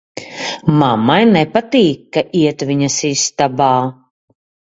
Mammai nepatīk, ka iet viņas istabā.